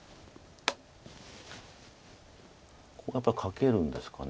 ここやっぱりカケるんですか。